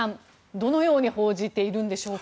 どのように報じているんでしょうか。